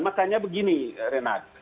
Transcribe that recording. makanya begini renat